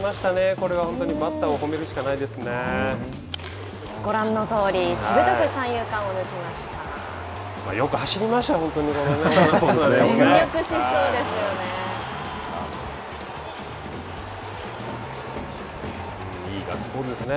これは本当バッターを褒めるしかないですね。